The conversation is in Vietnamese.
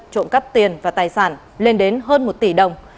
trộm cắp tiền và tài sản lên đến hơn một tỷ đồng